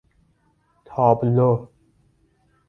تابلو